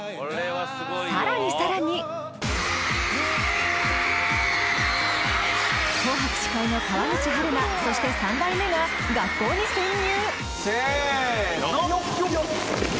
更に更に紅白司会の川口春奈、そして三代目が学校に潜入。